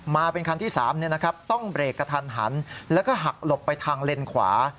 มาเป็นคันที่๓ต้องเบรกกระทันหันแล้วก็หักหลบไปทางเลนขวา